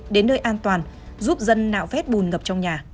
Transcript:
đến nơi an toàn giúp dân nạo vét bùn ngập trong nhà